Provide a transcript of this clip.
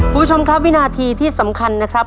คุณผู้ชมครับวินาทีที่สำคัญนะครับ